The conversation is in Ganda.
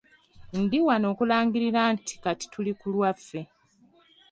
Ndi wano okulangirira nti kati tuli ku lwaffe.